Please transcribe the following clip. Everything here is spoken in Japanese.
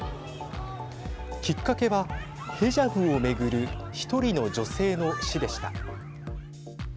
きっかけは、ヘジャブを巡る１人の女性の死でした。